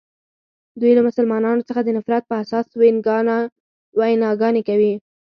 دوی له مسلمانانو څخه د نفرت په اساس ویناګانې کوي.